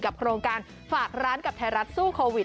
โครงการฝากร้านกับไทยรัฐสู้โควิด